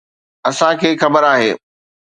اسان کي خبر آهي.